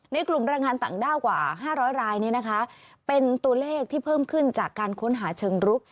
กลุ่มแรงงานต่างด้าวกว่า๕๐๐รายนี้นะคะเป็นตัวเลขที่เพิ่มขึ้นจากการค้นหาเชิงรุก